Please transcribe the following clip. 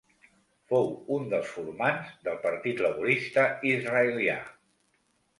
Fou un dels formants del Partit Laborista Israelià.